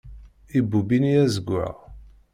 Ibubb ini azeggaɣ.